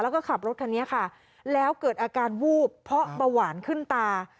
แล้วก็ขับรถคันนี้ค่ะแล้วเกิดอาการวูบเพราะเบาหวานขึ้นตา